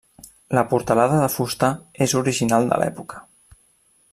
La portalada de fusta és original de l'època.